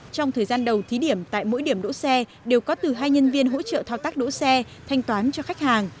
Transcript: trong thời gian đầu thí điểm tại mỗi điểm đỗ xe đều có từ hai nhân viên hỗ trợ thao tác đỗ xe thanh toán cho khách hàng